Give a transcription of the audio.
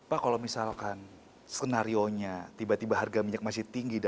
pak kalau misalkan skenario nya tiba tiba harga minyak masih tinggi